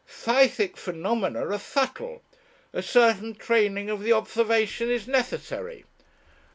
Psychic phenomena are subtle, a certain training of the observation is necessary.